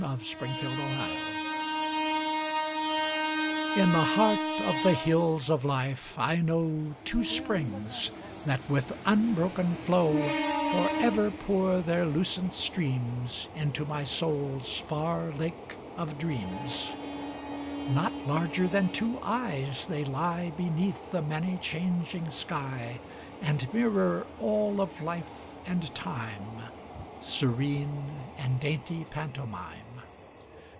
My Springs In the heart of the Hills of Life, I know Two springs that with unbroken flow Forever pour their lucent streams Into my soul's far Lake of Dreams. Not larger than two eyes, they lie Beneath the many changing sky And mirror all of life and time, Serene and dainty pantomime.